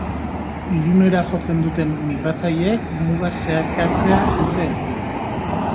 Irunera jotzen duten migratzaileek muga zeharkatzea dute helburu.